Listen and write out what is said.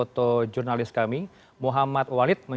terdiri dari bahkan